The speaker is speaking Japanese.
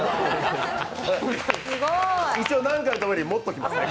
一応、何かのために持っておきますね。